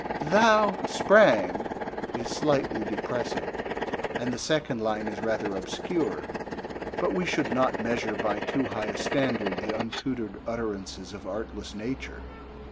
'Thou sprang' is slightly depressing, and the second line is rather obscure, but we should not measure by too high a standard the untutored utterances of artless nature.